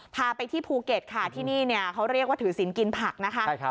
พาไปที่ภูเก็ตค่ะที่นี่เขาเรียกว่าถือศิลป์กินผักนะคะ